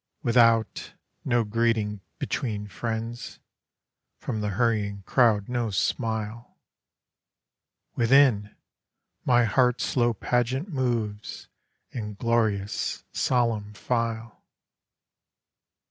Without, no greeting between friends, From the hurrying crowd no smile. Within, my heart's slow pageant movesIn glorious solemn file.